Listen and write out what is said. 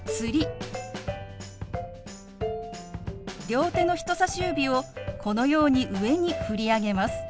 両手の人さし指をこのように上に振り上げます。